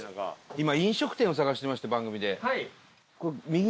今飲食店を探してまして番組で。